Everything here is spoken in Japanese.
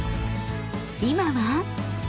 ［今は？］